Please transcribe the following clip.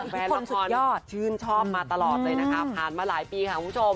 แฟนละครชื่นชอบมาตลอดเลยนะคะผ่านมาหลายปีค่ะคุณผู้ชม